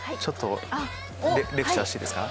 レクチャーしていいですか。